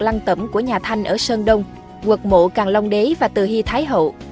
lăng tẩm của nhà thanh ở sơn đông quật mộ càng long đế và từ hy thái hậu